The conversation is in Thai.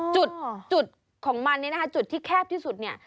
จุดจุดของมันเนี่ยนะคะจุดที่แคบที่สุดเนี่ย